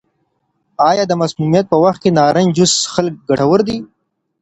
آیا د مسمومیت په وخت کې د نارنج جوس څښل ګټور دي؟